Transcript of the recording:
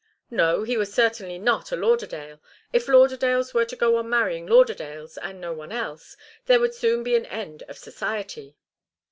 No, he was certainly not a Lauderdale. If Lauderdales were to go on marrying Lauderdales and no one else, there would soon be an end of society.